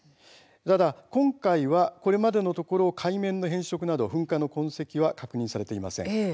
ただ今回は、これまでのところ海面の変色など噴火の痕跡は確認されていません。